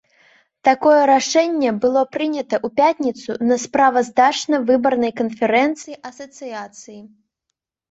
Такое рашэнне было прынята ў пятніцу на справаздачна-выбарнай канферэнцыі асацыяцыі.